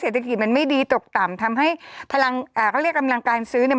เศรษฐกิจมันไม่ดีตกต่ำทำให้พลังอ่าเขาเรียกกำลังการซื้อเนี่ย